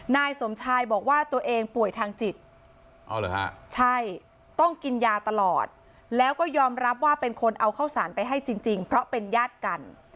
นายสมชายบอกว่าตัวเองป่วยทางจิตใช่ต้องกินยาตลอดแล้วก็ยอมรับว่าเป็นคนเอาข้าวสารไปให้จริงเพราะเป็นญาติกัน